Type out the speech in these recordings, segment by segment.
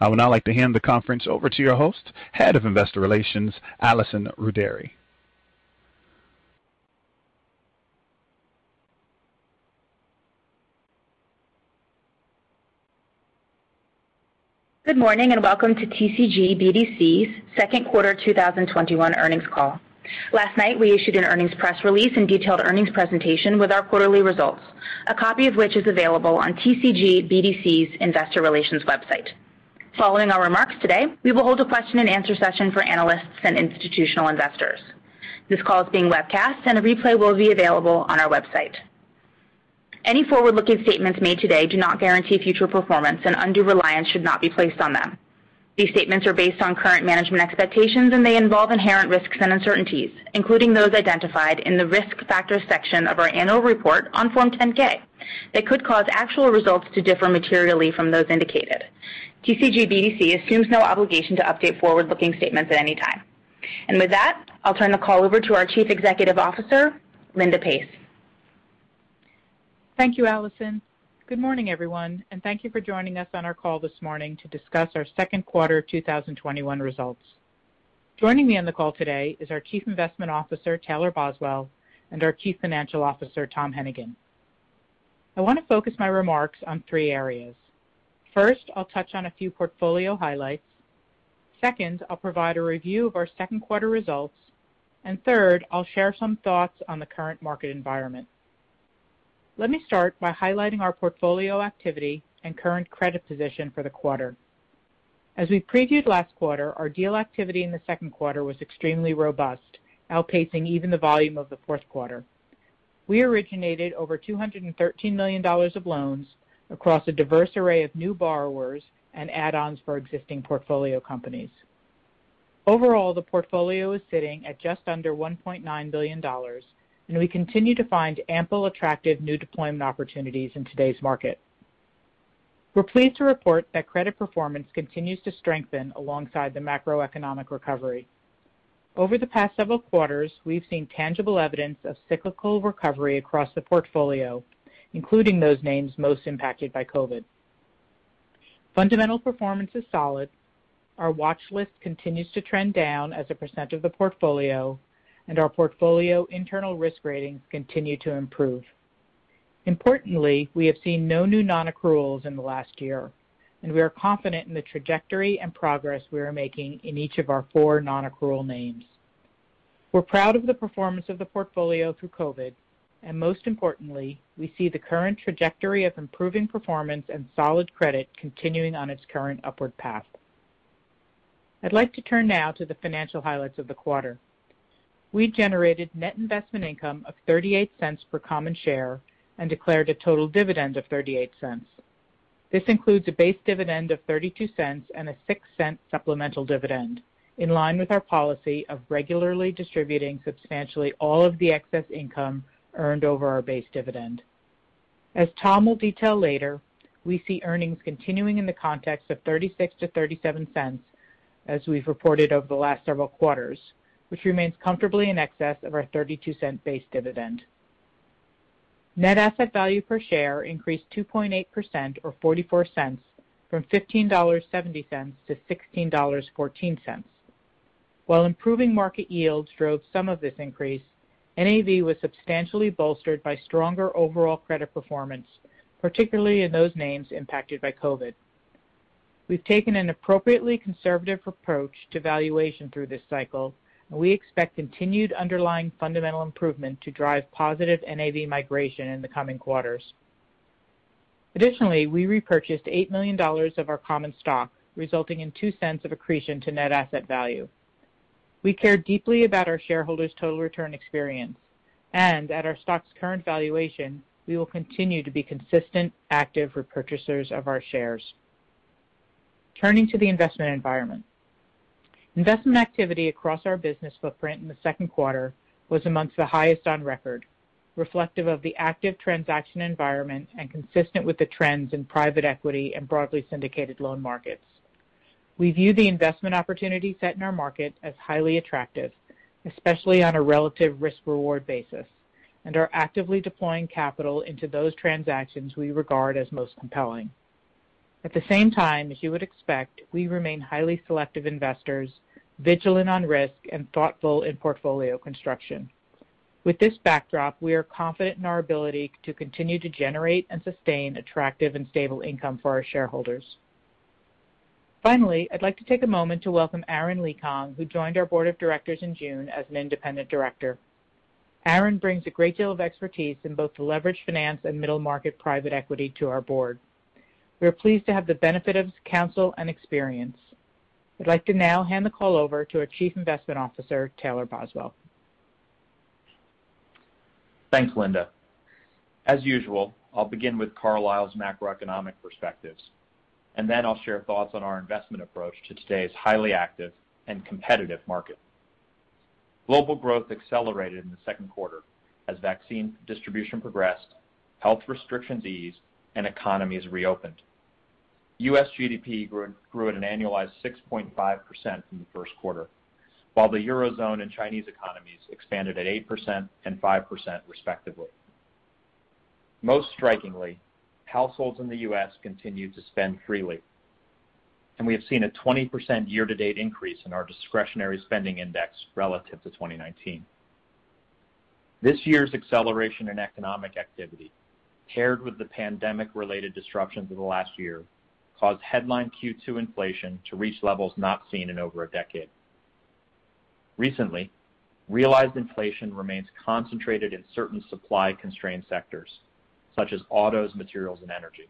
I would now like to hand the conference over to your host, Head of Investor Relations, Allison Rudary. Good morning, welcome to TCG BDC's Second Quarter 2021 Earnings Call. Last night, we issued an earnings press release and detailed earnings presentation with our quarterly results, a copy of which is available on TCG BDC's investor relations website. Following our remarks today, we will hold a question-and-answer session for analysts and institutional investors. This call is being webcast, and a replay will be available on our website. Any forward-looking statements made today do not guarantee future performance, and undue reliance should not be placed on them. These statements are based on current management expectations, and they involve inherent risks and uncertainties, including those identified in the risk factors section of our annual report on Form 10-K, that could cause actual results to differ materially from those indicated. TCG BDC assumes no obligation to update forward-looking statements at any time. With that, I'll turn the call over to our Chief Executive Officer, Linda Pace. Thank you, Allison. Good morning, everyone, and thank you for joining us on our call this morning to discuss our second quarter 2021 results. Joining me on the call today is our Chief Investment Officer, Taylor Boswell, and our Chief Financial Officer, Tom Hennigan. I want to focus my remarks on three areas. First, I'll touch on a few portfolio highlights. Second, I'll provide a review of our second quarter results. Third, I'll share some thoughts on the current market environment. Let me start by highlighting our portfolio activity and current credit position for the quarter. As we previewed last quarter, our deal activity in the second quarter was extremely robust, outpacing even the volume of the fourth quarter. We originated over $213 million of loans across a diverse array of new borrowers and add-ons for existing portfolio companies. Overall, the portfolio is sitting at just under $1.9 billion. We continue to find ample attractive new deployment opportunities in today's market. We're pleased to report that credit performance continues to strengthen alongside the macroeconomic recovery. Over the past several quarters, we've seen tangible evidence of cyclical recovery across the portfolio, including those names most impacted by COVID. Fundamental performance is solid. Our watch list continues to trend down as a percent of the portfolio. Our portfolio internal risk ratings continue to improve. Importantly, we have seen no new non-accruals in the last year. We are confident in the trajectory and progress we are making in each of our four non-accrual names. We're proud of the performance of the portfolio through COVID. Most importantly, we see the current trajectory of improving performance and solid credit continuing on its current upward path. I'd like to turn now to the financial highlights of the quarter. We generated net investment income of $0.38 per common share and declared a total dividend of $0.38. This includes a base dividend of $0.32 and a $0.06 supplemental dividend, in line with our policy of regularly distributing substantially all of the excess income earned over our base dividend. As Tom will detail later, we see earnings continuing in the context of $0.36-$0.37 as we've reported over the last several quarters, which remains comfortably in excess of our $0.32 base dividend. Net asset value per share increased 2.8%, or $0.44, from $15.70-$16.14. While improving market yields drove some of this increase, NAV was substantially bolstered by stronger overall credit performance, particularly in those names impacted by COVID. We've taken an appropriately conservative approach to valuation through this cycle, and we expect continued underlying fundamental improvement to drive positive NAV migration in the coming quarters. Additionally, we repurchased $8 million of our common stock, resulting in $0.02 of accretion to net asset value. At our stock's current valuation, we will continue to be consistent, active repurchasers of our shares. Turning to the investment environment. Investment activity across our business footprint in the second quarter was amongst the highest on record, reflective of the active transaction environment and consistent with the trends in private equity and broadly syndicated loan markets. We view the investment opportunity set in our market as highly attractive, especially on a relative risk-reward basis, and are actively deploying capital into those transactions we regard as most compelling. At the same time, as you would expect, we remain highly selective investors, vigilant on risk, and thoughtful in portfolio construction. With this backdrop, we are confident in our ability to continue to generate and sustain attractive and stable income for our shareholders. Finally, I'd like to take a moment to welcome Aren LeeKong, who joined our Board of Directors in June as an independent director. Aren brings a great deal of expertise in both leveraged finance and middle market private equity to our Board. We are pleased to have the benefit of his counsel and experience. I'd like to now hand the call over to our Chief Investment Officer, Taylor Boswell. Thanks, Linda. As usual, I'll begin with Carlyle's macroeconomic perspectives, and then I'll share thoughts on our investment approach to today's highly active and competitive market. Global growth accelerated in the second quarter as vaccine distribution progressed, health restrictions eased, and economies reopened. U.S. GDP grew at an annualized 6.5% in the first quarter, while the Eurozone and Chinese economies expanded at 8% and 5%, respectively. Most strikingly, households in the U.S. continue to spend freely, and we have seen a 20% year-to-date increase in our Discretionary Spending Index relative to 2019. This year's acceleration in economic activity, paired with the pandemic-related disruptions of the last year, caused headline Q2 inflation to reach levels not seen in over one decade. Recently, realized inflation remains concentrated in certain supply-constrained sectors, such as autos, materials, and energy.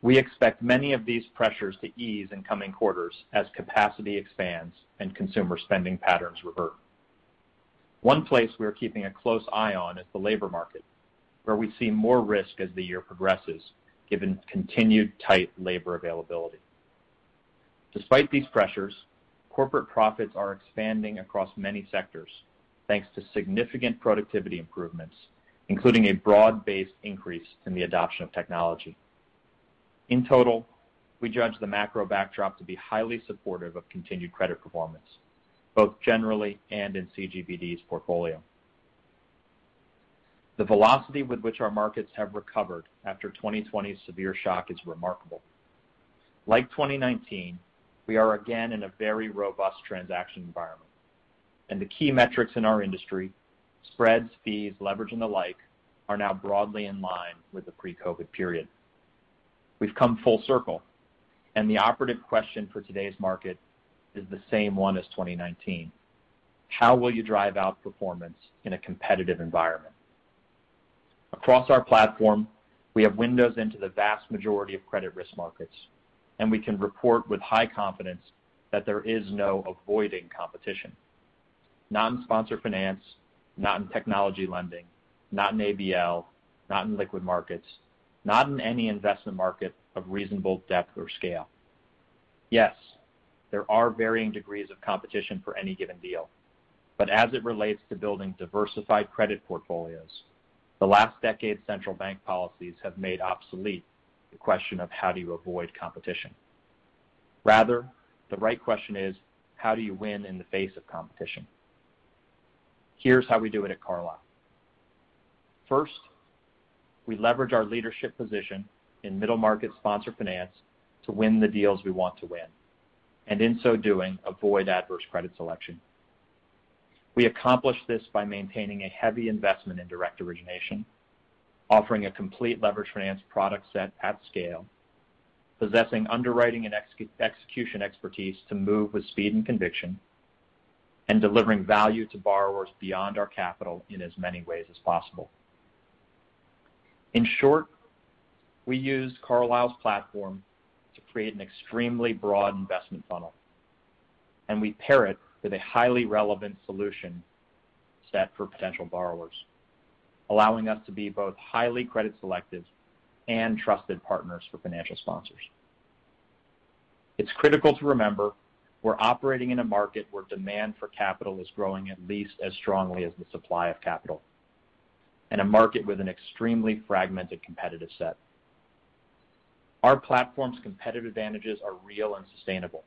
We expect many of these pressures to ease in coming quarters as capacity expands and consumer spending patterns revert. One place we are keeping a close eye on is the labor market, where we see more risk as the year progresses, given continued tight labor availability. Despite these pressures, corporate profits are expanding across many sectors, thanks to significant productivity improvements, including a broad-based increase in the adoption of technology. In total, we judge the macro backdrop to be highly supportive of continued credit performance, both generally and in CGBD's portfolio. The velocity with which our markets have recovered after 2020's severe shock is remarkable. Like 2019, we are again in a very robust transaction environment, and the key metrics in our industry, spreads, fees, leverage, and the like, are now broadly in line with the pre-COVID period. We've come full circle, and the operative question for today's market is the same one as 2019: how will you drive outperformance in a competitive environment? Across our platform, we have windows into the vast majority of credit risk markets, and we can report with high confidence that there is no avoiding competition. Not in sponsored finance, not in technology lending, not in ABL, not in liquid markets, not in any investment market of reasonable depth or scale. Yes, there are varying degrees of competition for any given deal, but as it relates to building diversified credit portfolios, the last decade's central bank policies have made obsolete the question of how do you avoid competition. Rather, the right question is, how do you win in the face of competition? Here's how we do it at Carlyle. First, we leverage our leadership position in middle market sponsor finance to win the deals we want to win, and in so doing, avoid adverse credit selection. We accomplish this by maintaining a heavy investment in direct origination, offering a complete leveraged finance product set at scale, possessing underwriting and execution expertise to move with speed and conviction, and delivering value to borrowers beyond our capital in as many ways as possible. In short, we use Carlyle's platform to create an extremely broad investment funnel, and we pair it with a highly relevant solution set for potential borrowers, allowing us to be both highly credit selective and trusted partners for financial sponsors. It is critical to remember we are operating in a market where demand for capital is growing at least as strongly as the supply of capital, in a market with an extremely fragmented competitive set. Our platform's competitive advantages are real and sustainable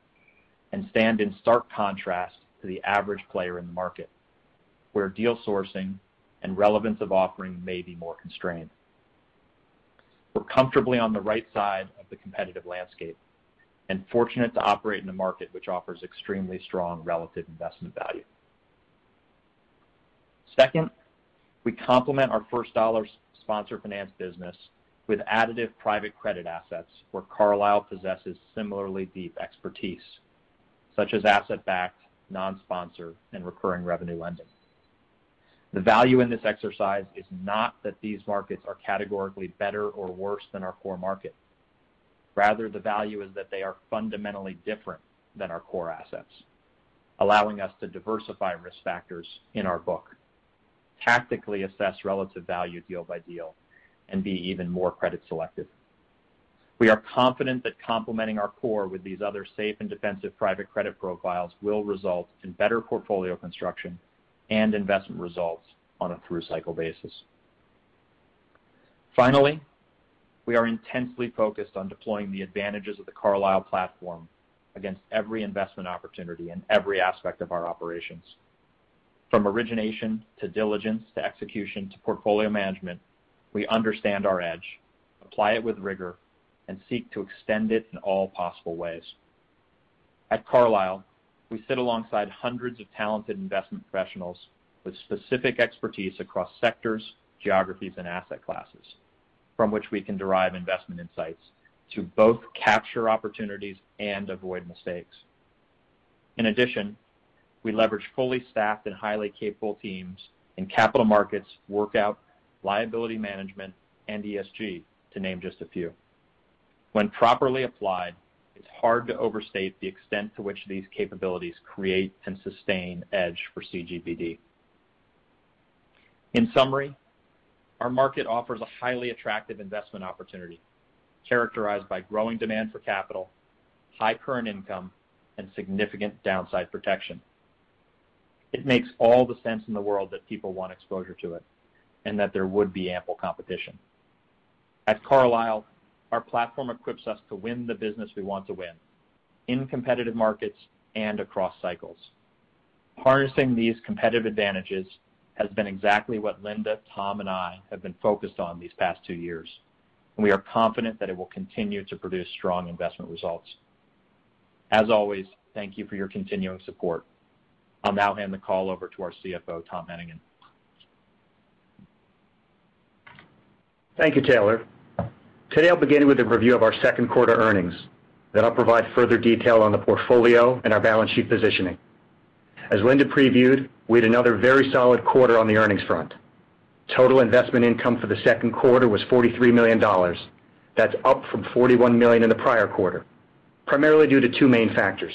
and stand in stark contrast to the average player in the market, where deal sourcing and relevance of offering may be more constrained. We're comfortably on the right side of the competitive landscape and fortunate to operate in a market which offers extremely strong relative investment value. Second, we complement our first dollar sponsor finance business with additive private credit assets where Carlyle possesses similarly deep expertise, such as asset-backed, non-sponsor, and recurring revenue lending. The value in this exercise is not that these markets are categorically better or worse than our core market. Rather, the value is that they are fundamentally different than our core assets, allowing us to diversify risk factors in our book, tactically assess relative value deal by deal, and be even more credit selective. We are confident that complementing our core with these other safe and defensive private credit profiles will result in better portfolio construction and investment results on a through-cycle basis. Finally, we are intensely focused on deploying the advantages of the Carlyle platform against every investment opportunity in every aspect of our operations. From origination to diligence to execution to portfolio management, we understand our edge, apply it with rigor, and seek to extend it in all possible ways. At Carlyle, we sit alongside hundreds of talented investment professionals with specific expertise across sectors, geographies, and asset classes from which we can derive investment insights to both capture opportunities and avoid mistakes. In addition, we leverage fully staffed and highly capable teams in capital markets, workout, liability management, and ESG, to name just a few. When properly applied, it's hard to overstate the extent to which these capabilities create and sustain edge for CGBD. In summary, our market offers a highly attractive investment opportunity characterized by growing demand for capital, high current income, and significant downside protection. It makes all the sense in the world that people want exposure to it, and that there would be ample competition. At Carlyle, our platform equips us to win the business we want to win in competitive markets and across cycles. Harnessing these competitive advantages has been exactly what Linda, Tom, and I have been focused on these past two years, and we are confident that it will continue to produce strong investment results. As always, thank you for your continuing support. I'll now hand the call over to our CFO, Tom Hennigan. Thank you, Taylor. Today, I'll begin with a review of our second quarter earnings, then I'll provide further detail on the portfolio and our balance sheet positioning. As Linda previewed, we had another very solid quarter on the earnings front. Total investment income for the second quarter was $43 million. That's up from $41 million in the prior quarter, primarily due to two main factors.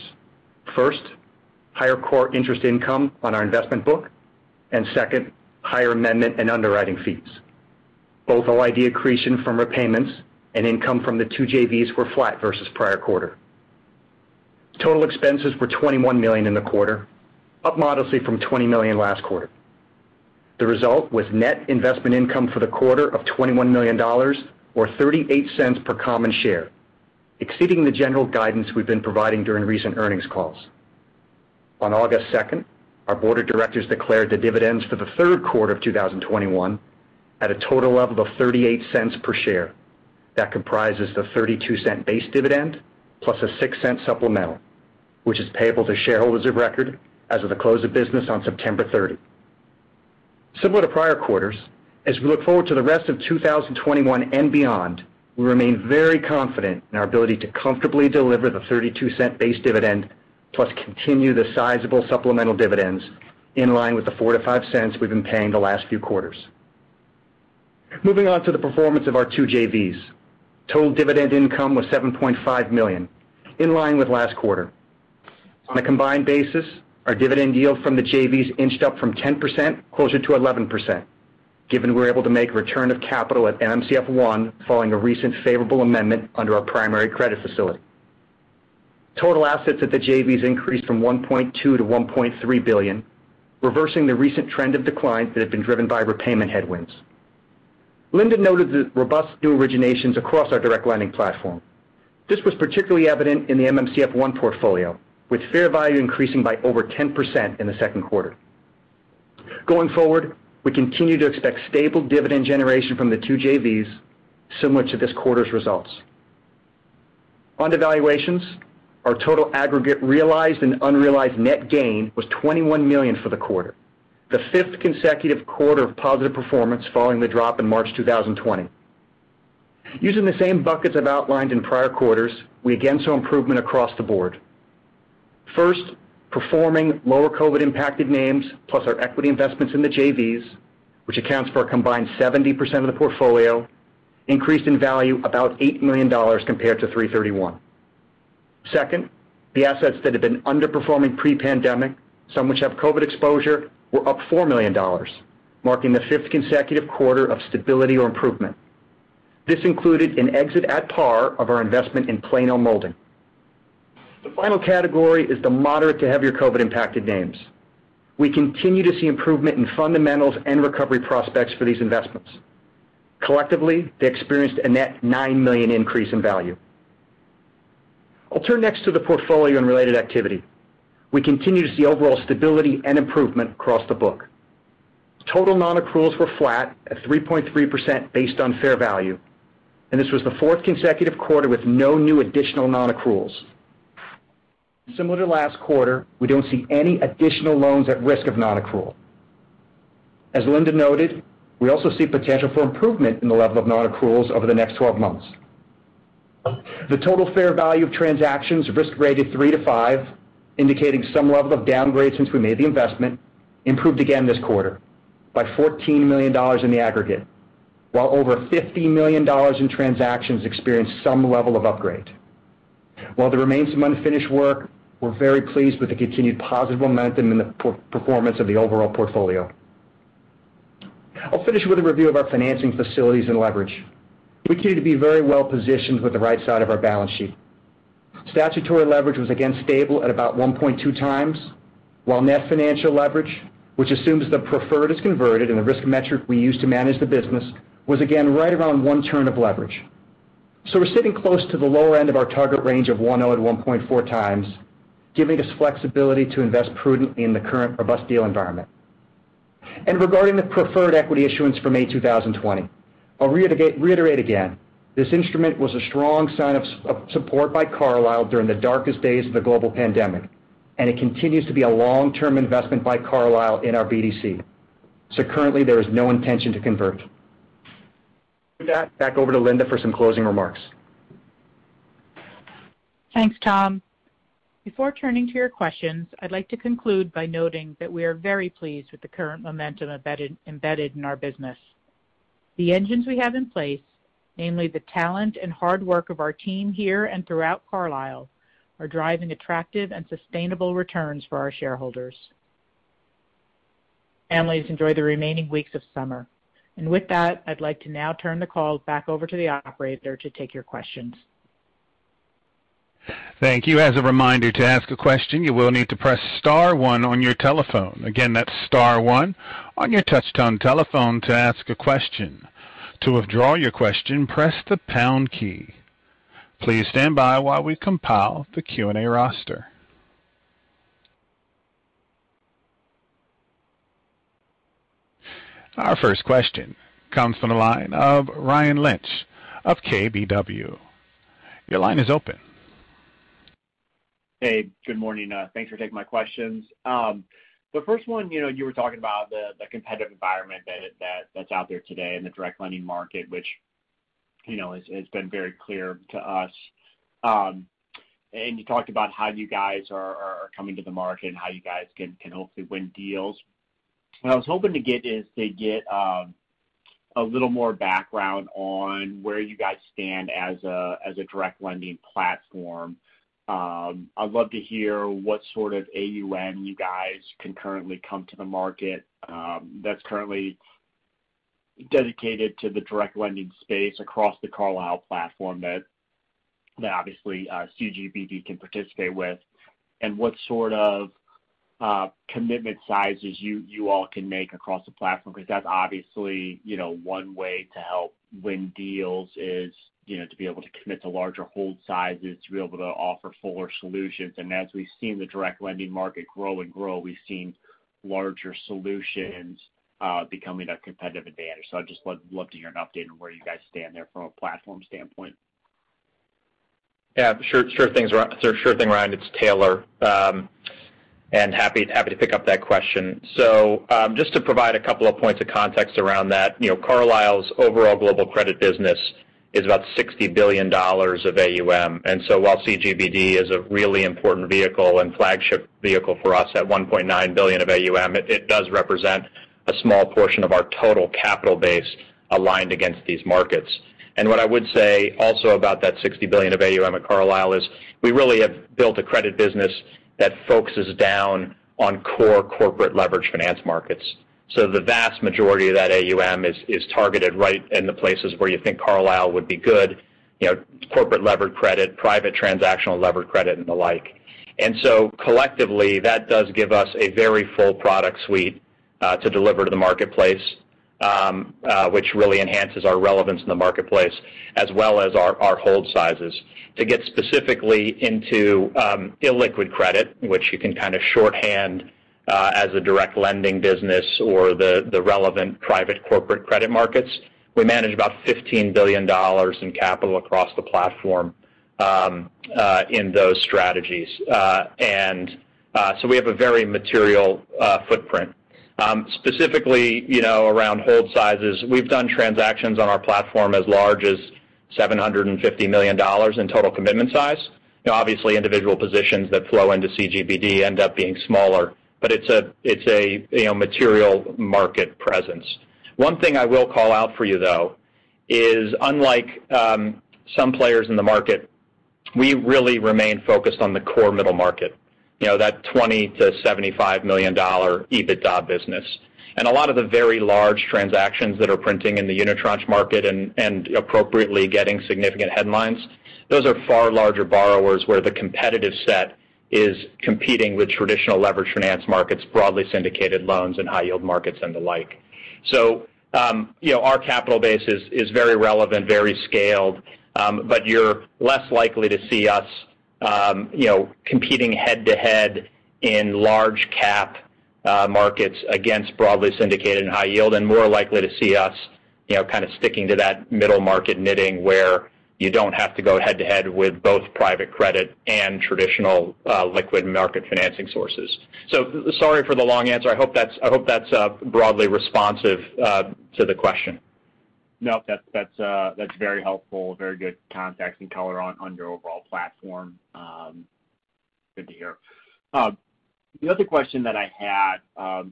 First, higher core interest income on our investment book, and second, higher amendment and underwriting fees. Both OID accretion from repayments and income from the two JVs were flat versus prior quarter. Total expenses were $21 million in the quarter, up modestly from $20 million last quarter. The result was net investment income for the quarter of $21 million, or $0.38 per common share, exceeding the general guidance we've been providing during recent earnings calls. On August second, our board of directors declared the dividends for the third quarter of 2021 at a total level of $0.38 per share. That comprises the $0.32 base dividend plus a $0.06 supplemental, which is payable to shareholders of record as of the close of business on September 30. Similar to prior quarters, as we look forward to the rest of 2021 and beyond, we remain very confident in our ability to comfortably deliver the $0.32 base dividend plus continue the sizable supplemental dividends in line with the $0.04-$0.05 we've been paying the last few quarters. Moving on to the performance of our two JVs. Total dividend income was $7.5 million, in line with last quarter. On a combined basis, our dividend yield from the JVs inched up from 10% closer to 11%, given we were able to make return of capital at MMCF I following a recent favorable amendment under our primary credit facility. Total assets at the JVs increased from $1.2 billion-$1.3 billion, reversing the recent trend of declines that had been driven by repayment headwinds. Linda noted the robust new originations across our direct lending platform. This was particularly evident in the MMCF I portfolio, with fair value increasing by over 10% in the second quarter. Going forward, we continue to expect stable dividend generation from the two JVs similar to this quarter's results. On devaluations, our total aggregate realized and unrealized net gain was $21 million for the quarter, the fifth consecutive quarter of positive performance following the drop in March 2020. Using the same buckets I've outlined in prior quarters, we again saw improvement across the board. First, performing lower COVID-impacted names, plus our equity investments in the JVs, which accounts for a combined 70% of the portfolio, increased in value about $8 million compared to 3/31. Second, the assets that had been underperforming pre-pandemic, some which have COVID exposure, were up $4 million, marking the fifth consecutive quarter of stability or improvement. This included an exit at par of our investment in Plano Molding. The final category is the moderate to heavier COVID-impacted names. We continue to see improvement in fundamentals and recovery prospects for these investments. Collectively, they experienced a net $9 million increase in value. I'll turn next to the portfolio and related activity. We continue to see overall stability and improvement across the book. Total non-accruals were flat at 3.3% based on fair value, and this was the fourth consecutive quarter with no new additional non-accruals. Similar to last quarter, we don't see any additional loans at risk of non-accrual. As Linda noted, we also see potential for improvement in the level of non-accruals over the next 12 months. The total fair value of transactions risk rated 3 to 5, indicating some level of downgrade since we made the investment, improved again this quarter by $14 million in the aggregate, while over $50 million in transactions experienced some level of upgrade. While there remains some unfinished work, we're very pleased with the continued positive momentum and the performance of the overall portfolio. I'll finish with a review of our financing facilities and leverage. We continue to be very well positioned with the right side of our balance sheet. Statutory leverage was again stable at about 1.2x, while net financial leverage, which assumes the preferred is converted and the risk metric we use to manage the business, was again right around one turn of leverage. We're sitting close to the lower end of our target range of 1.0x-1.4x, giving us flexibility to invest prudently in the current robust deal environment. Regarding the preferred equity issuance from May 2020, I'll reiterate again, this instrument was a strong sign of support by Carlyle during the darkest days of the global pandemic, and it continues to be a long-term investment by Carlyle in our BDC. Currently, there is no intention to convert. With that, back over to Linda for some closing remarks. Thanks, Tom. Before turning to your questions, I'd like to conclude by noting that we are very pleased with the current momentum embedded in our business. The engines we have in place, namely the talent and hard work of our team here and throughout Carlyle, are driving attractive and sustainable returns for our shareholders. Families, enjoy the remaining weeks of summer. With that, I'd like to now turn the call back over to the operator to take your questions. Thank you, as a reminder, to ask a question, you will need to press star one on your telephone. Again, that's star one on your touch-tone telephone to ask a question. To withdraw your question, press the pound key. Please stand by while we compile the Q&A roster. Our first question comes from the line of Ryan Lynch of KBW, your line is open. Hey, good morning. Thanks for taking my questions, the first one, you were talking about the competitive environment that's out there today in the direct lending market, which has been very clear to us. You talked about how you guys are coming to the market and how you guys can hopefully win deals. What I was hoping to get is to get a little more background on where you guys stand as a direct lending platform. I'd love to hear what sort of AUM you guys can currently come to the market that's currently dedicated to the direct lending space across the Carlyle platform that obviously CGBD can participate with, and what sort of commitment sizes you all can make across the platform, because that's obviously one way to help win deals is to be able to commit to larger hold sizes, to be able to offer fuller solutions. As we've seen the direct lending market grow and grow, we've seen larger solutions becoming a competitive advantage. I'd just love to hear an update on where you guys stand there from a platform standpoint. Sure thing, Ryan, it's Taylor. Happy to pick up that question. Just to provide a couple of points of context around that. Carlyle's overall global credit business is about $60 billion of AUM. While CGBD is a really important vehicle and flagship vehicle for us at $1.9 billion of AUM, it does represent a small portion of our total capital base aligned against these markets. What I would say also about that $60 billion of AUM at Carlyle is we really have built a credit business that focuses down on core corporate leveraged finance markets. The vast majority of that AUM is targeted right in the places where you think Carlyle would be good, corporate levered credit, private transactional levered credit, and the like. Collectively, that does give us a very full product suite to deliver to the marketplace, which really enhances our relevance in the marketplace as well as our hold sizes. To get specifically into illiquid credit, which you can kind of shorthand as a direct lending business or the relevant private corporate credit markets. We manage about $15 billion in capital across the platform in those strategies. We have a very material footprint. Specifically, around hold sizes, we've done transactions on our platform as large as $750 million in total commitment size. Obviously, individual positions that flow into CGBD end up being smaller, but it's a material market presence. One thing I will call out for you, though, is unlike some players in the market, we really remain focused on the core middle market, that $20 million-$75 million EBITDA business. A lot of the very large transactions that are printing in the unitranche market and appropriately getting significant headlines, those are far larger borrowers where the competitive set is competing with traditional leveraged finance markets, broadly syndicated loans and high yield markets and the like. Our capital base is very relevant, very scaled. You're less likely to see us competing head-to-head in large cap markets against broadly syndicated and high yield, and more likely to see us kind of sticking to that middle market knitting where you don't have to go head-to-head with both private credit and traditional liquid market financing sources. Sorry for the long answer, I hope that's broadly responsive to the question. No, that's very helpful. Very good context and color on your overall platform, good to hear. The other question that I had,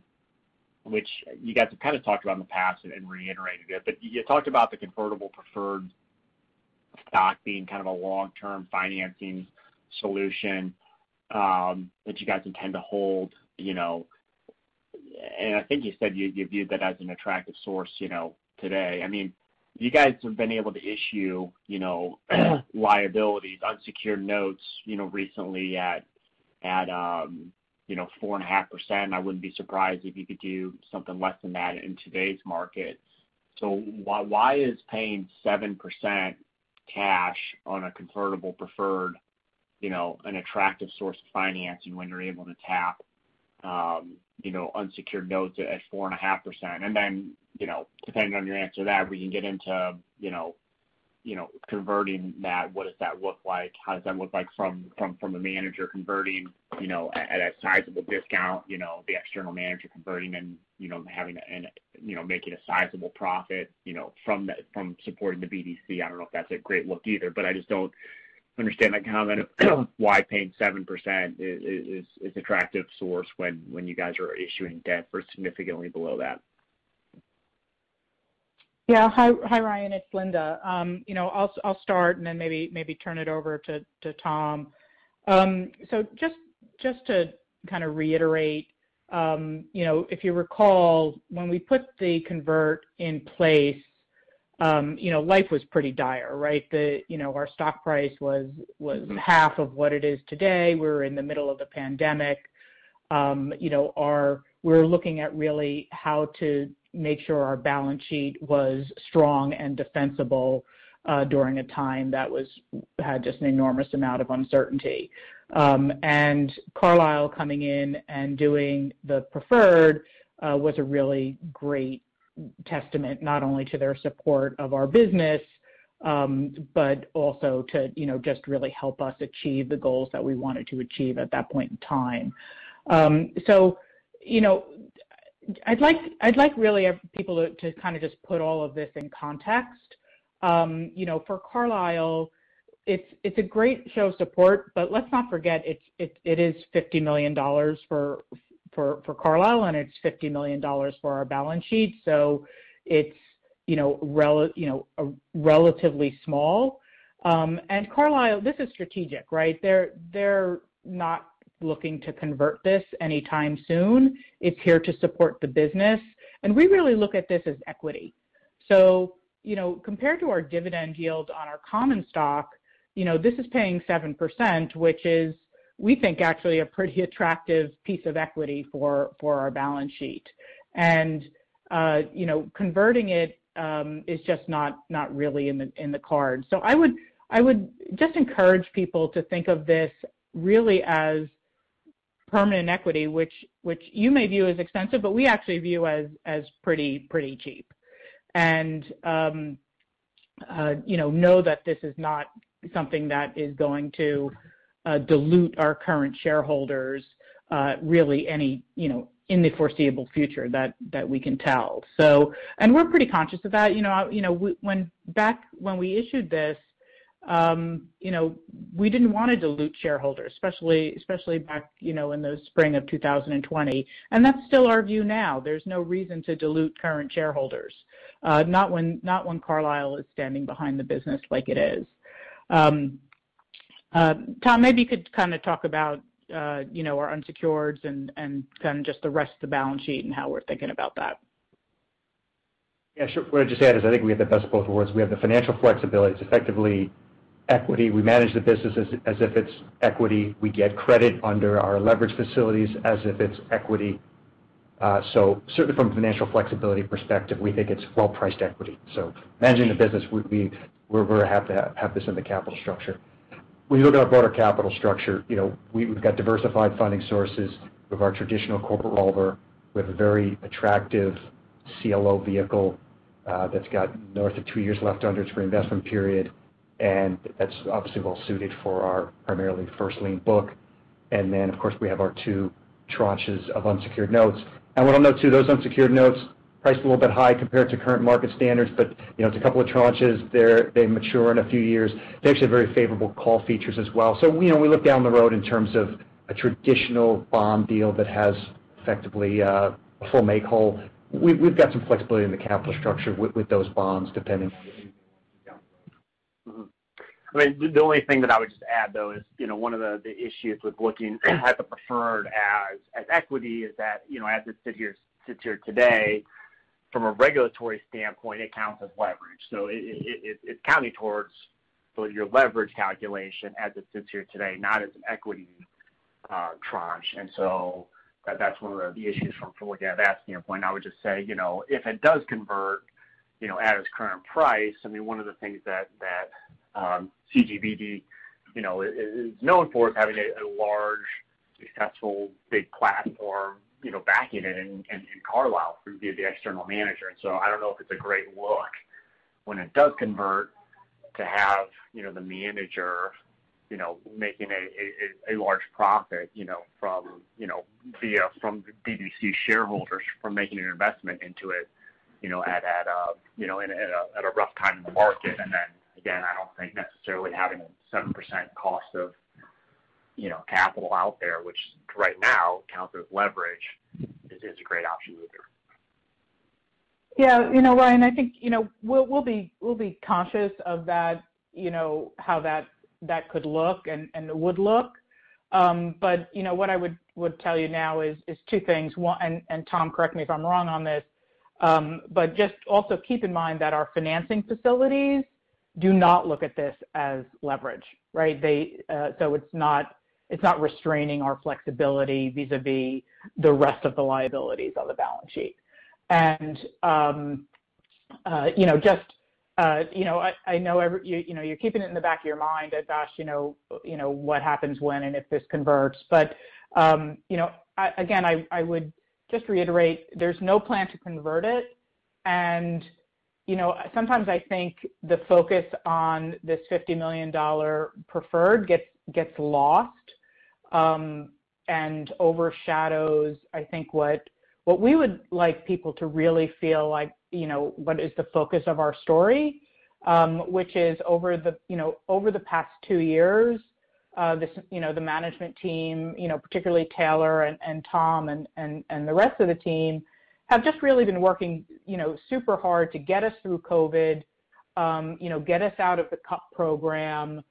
which you guys have kind of talked about in the past and reiterated it, but you talked about the convertible preferred stock being kind of a long-term financing solution, that you guys intend to hold. I think you said you viewed that as an attractive source today. You guys have been able to issue liabilities, unsecured notes recently at 4.5%. I wouldn't be surprised if you could do something less than that in today's markets. Why is paying 7% cash on a convertible preferred an attractive source of financing when you're able to tap unsecured notes at 4.5%? Depending on your answer to that, we can get into converting that. What does that look like? How does that look like from a manager converting at a sizable discount, the external manager converting and making a sizable profit from supporting the BDC? I don't know if that's a great look either, but I just don't understand that comment of why paying 7% is attractive source when you guys are issuing debt for significantly below that. Yeah, hi, Ryan. It's Linda. I'll start, and then maybe turn it over to Tom. Just to kind of reiterate, if you recall, when we put the convert in place, life was pretty dire, right? Our stock price was half of what it is today. We were in the middle of the pandemic. We were looking at really how to make sure our balance sheet was strong and defensible during a time that had just an enormous amount of uncertainty. Carlyle coming in and doing the preferred was a really great testament, not only to their support of our business, but also to just really help us achieve the goals that we wanted to achieve at that point in time. I'd like, really, people to kind of just put all of this in context. For Carlyle, it's a great show of support, but let's not forget it is $50 million for Carlyle, and it's $50 million for our balance sheet, it's relatively small. Carlyle, this is strategic, right? They're not looking to convert this anytime soon. It's here to support the business, we really look at this as equity. Compared to our dividend yield on our common stock, this is paying 7%, which is, we think, actually a pretty attractive piece of equity for our balance sheet. Converting it is just not really in the cards. I would just encourage people to think of this really as permanent equity, which you may view as expensive, but we actually view as pretty cheap. Know that this is not something that is going to dilute our current shareholders really in the foreseeable future that we can tell. We're pretty conscious of that. Back when we issued this, we didn't want to dilute shareholders, especially back in the spring of 2020, and that's still our view now. There's no reason to dilute current shareholders, not when Carlyle is standing behind the business like it is. Tom, maybe you could kind of talk about our unsecured and kind of just the rest of the balance sheet and how we're thinking about that. Yeah, sure. What I'd just add is I think we have the best of both worlds. We have the financial flexibility. It's effectively equity. We manage the business as if it's equity. We get credit under our leverage facilities as if it's equity. Certainly from a financial flexibility perspective, we think it's well-priced equity. Managing the business, we're very happy to have this in the capital structure. When you look at our broader capital structure, we've got diversified funding sources. We have our traditional corporate revolver. We have a very attractive CLO vehicle that's got north of two years left under its reinvestment period, and that's obviously well suited for our primarily first lien book. Then, of course, we have our two tranches of unsecured notes. What I'll note too, those unsecured notes priced a little bit high compared to current market standards, but it's two tranches. They mature in a few years. They actually have very favorable call features as well. We look down the road in terms of a traditional bond deal that has effectively a full make whole. We've got some flexibility in the capital structure with those bonds. The only thing that I would just add, though, is one of the issues with looking at the preferred as equity is that as it sits here today, from a regulatory standpoint, it counts as leverage. It's counting towards your leverage calculation as it sits here today, not as an equity tranche. That's one of the issues from looking at it from that standpoint. I would just say, if it does convert at its current price, I mean, one of the things that CGBD is known for is having a large, successful, big platform backing it and Carlyle via the external manager. I don't know if it's a great look when it does convert to have the manager making a large profit from BDC shareholders from making an investment into it at a rough time in the market. Again, I don't think necessarily having a 7% cost of capital out there, which right now counts as leverage, is a great option either. Yeah, Ryan, I think we'll be cautious of how that could look and would look. What I would tell you now is two things. Tom, correct me if I'm wrong on this. Just also keep in mind that our financing facilities do not look at this as leverage, right? It's not restraining our flexibility vis-à-vis the rest of the liabilities on the balance sheet. I know you're keeping it in the back of your mind as, gosh what happens when and if this converts? Again, I would just reiterate, there's no plan to convert it. Sometimes I think the focus on this $50 million preferred gets lost and overshadows, I think, what we would like people to really feel like what is the focus of our story, which is over the past two years the management team, particularly Taylor and Tom and the rest of the team, have just really been working super hard to get us through COVID, get us out of the CUP program,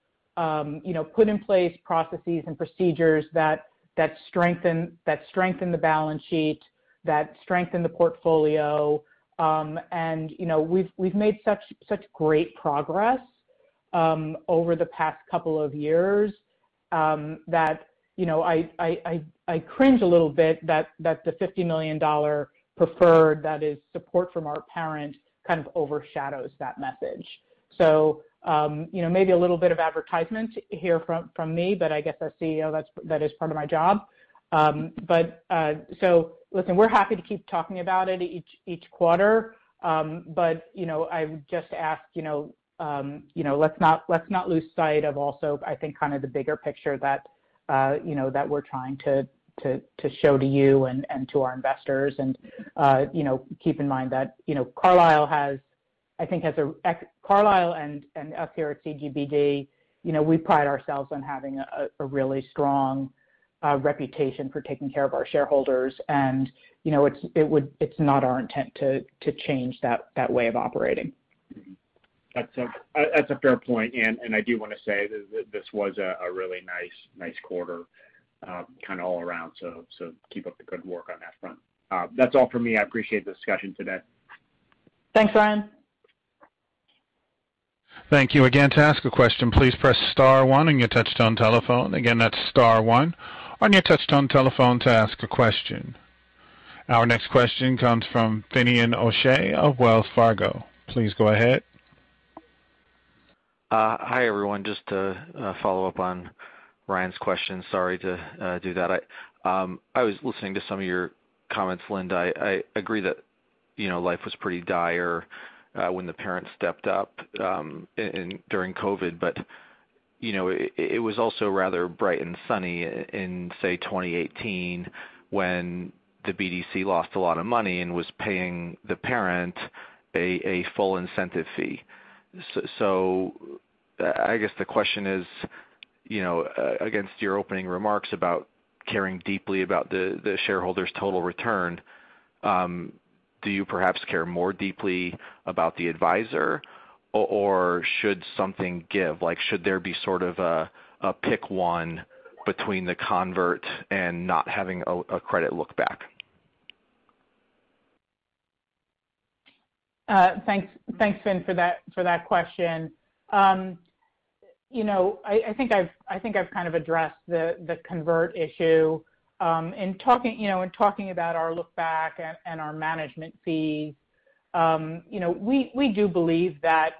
put in place processes and procedures that strengthen the balance sheet, that strengthen the portfolio. We've made such great progress over the past couple of years that I cringe a little bit that the $50 million preferred that is support from our parent kind of overshadows that message. Maybe a little bit of advertisement here from me, but I guess as CEO, that is part of my job. Listen, we're happy to keep talking about it each quarter. I would just ask, let's not lose sight of also, I think, kind of the bigger picture that we're trying to show to you and to our investors. Keep in mind that Carlyle and us here at CGBD, we pride ourselves on having a really strong reputation for taking care of our shareholders. It's not our intent to change that way of operating. That's a fair point; I do want to say that this was a really nice quarter kind of all around. Keep up the good work on that front, that's all for me. I appreciate the discussion today. Thanks, Ryan. Thank you again, to ask a question, please press star one on your touch-tone telephone. Again, that's star one on your touch-tone telephone to ask a question. Our next question comes from Finian O'Shea of Wells Fargo, please go ahead. Hi, everyone. Just to follow up on Ryan's question, sorry to do that. I was listening to some of your comments, Linda. I agree that life was pretty dire when the parent stepped up during COVID, but it was also rather bright and sunny in, say, 2018 when the BDC lost a lot of money and was paying the parent a full incentive fee. I guess the question is against your opening remarks about caring deeply about the shareholder's total return, do you perhaps care more deeply about the advisor or should something give? Should there be sort of a pick one between the convert and not having a credit lookback? Thanks, Finn, for that question. I think I've kind of addressed the convert issue. In talking about our look back and our management fee, we do believe that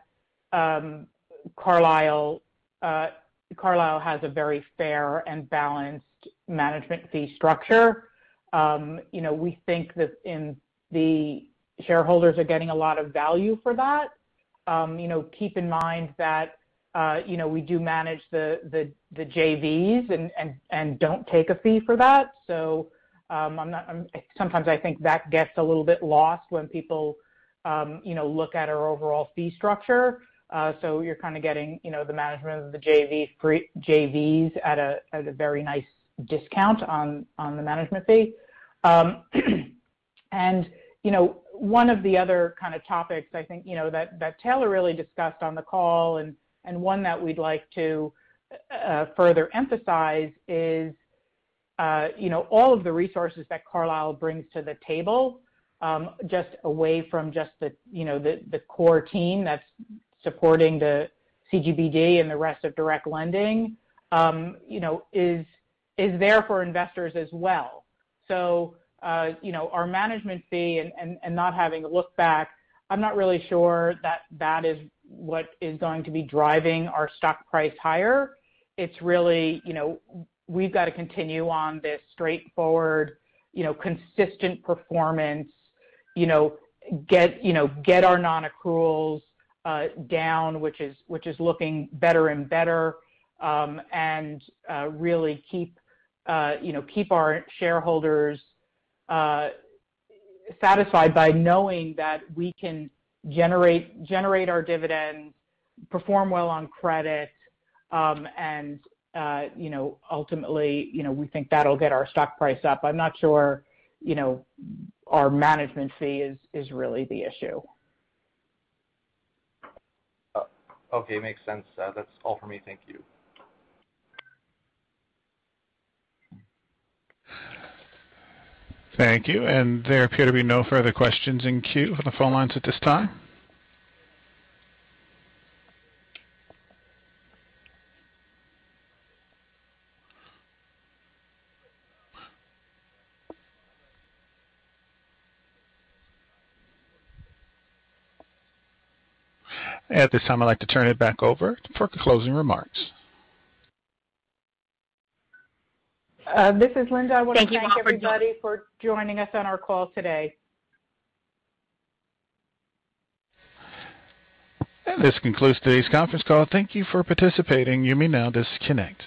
Carlyle has a very fair and balanced management fee structure. We think that the shareholders are getting a lot of value for that. Keep in mind that we do manage the JVs and don't take a fee for that. Sometimes I think that gets a little bit lost when people look at our overall fee structure. You're kind of getting the management of the JVs at a very nice discount on the management fee. One of the other kind of topics I think that Taylor really discussed on the call and one that we'd like to further emphasize is all of the resources that Carlyle brings to the table, away from just the core team that's supporting the CGBD and the rest of direct lending, is there for investors as well. Our management fee and not having a look back, I'm not really sure that is what is going to be driving our stock price higher. It's really, we've got to continue on this straightforward, consistent performance, get our non-accruals down, which is looking better and better, and really keep our shareholders satisfied by knowing that we can generate our dividends, perform well on credit, and ultimately, we think that'll get our stock price up. I'm not sure our management fee is really the issue. Okay, makes sense. That is all for me, thank you. Thank you, there appear to be no further questions in queue on the phone lines at this time. At this time, I'd like to turn it back over for closing remarks. This is Linda, I want to thank everybody for joining us on our call today. This concludes today's conference call. Thank you for participating, you may now disconnect.